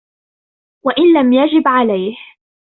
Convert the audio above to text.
وَإِنْ لَمْ يَجِبْ عَلَيْهِ